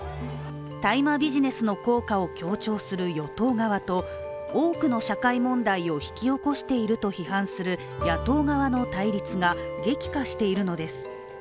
大麻ビジネスの効果を強調する与党側と多くの社会問題を引き起こしていると批判する野党側の対立が激化しているのです。